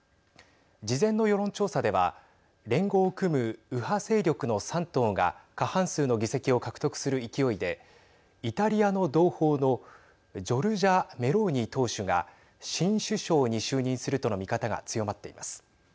事前の世論調査では連合を組む右派勢力の３党が過半数の議席を獲得する勢いでイタリアの同胞のジョルジャ・メローニ党首が新首相に就任するとの見方が強まっています。